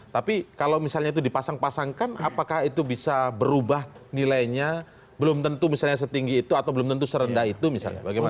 tapi kalau misalnya itu dipasang pasangkan apakah itu bisa berubah nilainya belum tentu misalnya setinggi itu atau belum tentu serendah itu misalnya bagaimana